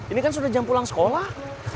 ini kan sudah jam pulang sekolah